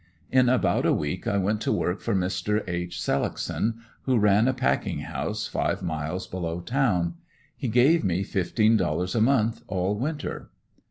In about a week I went to work for Mr. H. Selickson, who ran a packing house five miles below town. He gave me fifteen dollars a month all winter.